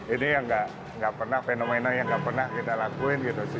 ini yang nggak pernah fenomena yang gak pernah kita lakuin gitu sih